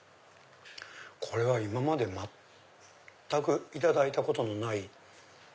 これは今まで全くいただいたことのない。